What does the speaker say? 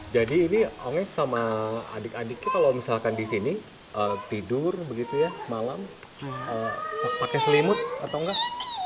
jadi ini ongek sama adik adiknya kalau misalkan di sini tidur malam pakai selimut atau enggak